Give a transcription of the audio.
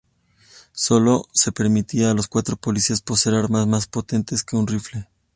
Solo se permitiría a los Cuatro Policías poseer armas más potentes que un rifle.